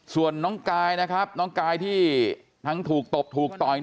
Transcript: ส่วนน้องกายนะครับน้องกายที่ทั้งถูกตบถูกต่อย